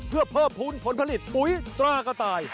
เพื่อเพิ่มภูมิผลผลิตปุ๋ยตรากระต่าย